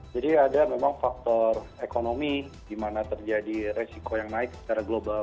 jadi ada memang faktor ekonomi di mana terjadi resiko yang naik secara global